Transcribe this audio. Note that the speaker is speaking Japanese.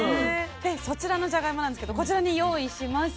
でそちらのじゃがいもなんですけどこちらに用意しました。